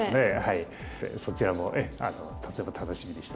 そちらもとても楽しみにしてます。